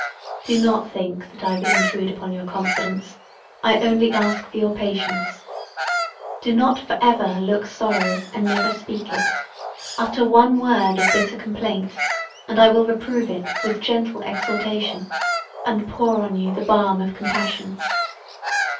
"Do not think that I would intrude upon your confidence: I only ask your patience. Do not for ever look sorrow and never speak it; utter one word of bitter complaint and I will reprove it with gentle exhortation and pour on you the balm of compassion.